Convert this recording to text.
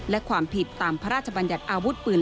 และความผิดตามพระราชบัญญัติอาวุธปืน